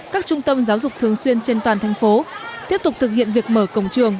các trung tâm giáo dục thường xuyên trên toàn thành phố tiếp tục thực hiện việc mở cổng trường